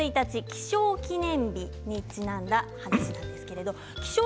気象記念日にちなんだ話題です。